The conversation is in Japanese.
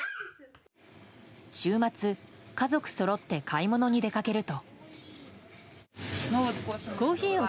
週末、家族そろって買い物に出かけると。